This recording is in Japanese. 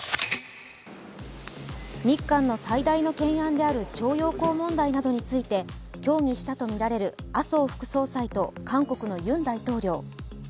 日韓の最大の懸案である徴用工問題などについて協議したとみられる麻生副総裁と韓国のユン大統領。